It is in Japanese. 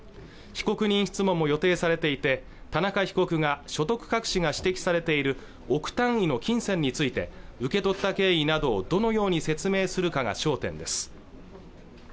被告人質問も予定されていて田中被告が所得隠しが指摘されている億単位の金銭について受け取った経緯などをどのように説明するかが焦点です